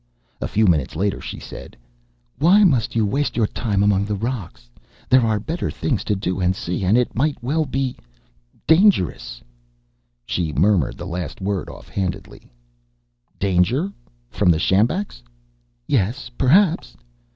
A few minutes later she said, "Why must you waste your time among the rocks? There are better things to do and see. And it might well be dangerous." She murmured the last word off handedly. "Danger? From the sjambaks?" "Yes, perhaps."